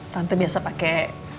tante biasa pakai